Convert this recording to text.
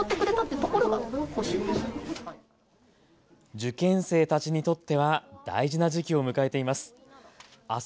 受験生たちにとっては大事な時期を迎えています。